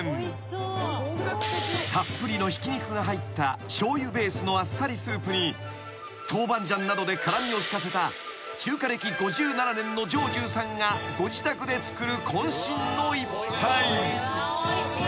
［たっぷりのひき肉が入ったしょうゆベースのあっさりスープにトウバンジャンなどで辛みを利かせた中華歴５７年の上重さんがご自宅で作る］